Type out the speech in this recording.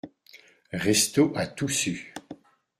Restaud a tout su.